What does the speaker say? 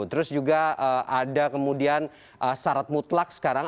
terus juga ada kemudian syarat mutlak sekarang